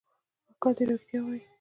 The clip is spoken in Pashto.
اکا دې ريښتيا وايي.